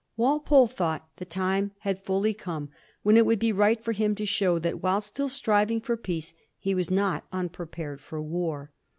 Walpole thought the time had fully come when it would be right for him to show that, while still striving for peace, he was not unprepared for war.